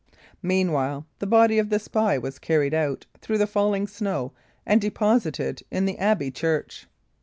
Meanwhile, the body of the spy was carried out through the falling snow and deposited in the abbey church.